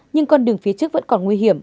nhưng con đường phía trước vẫn còn nguy hiểm